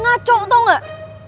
ngaco tau gak